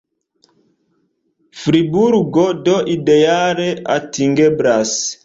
Friburgo do ideale atingeblas.